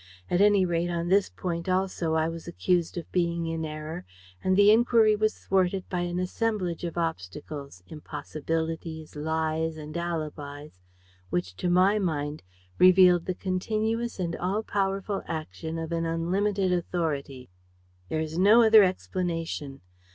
At any rate, on this point also I was accused of being in error and the inquiry was thwarted by an assemblage of obstacles, impossibilities, lies and alibis which, to my mind, revealed the continuous and all powerful action of an unlimited authority. There is no other explanation.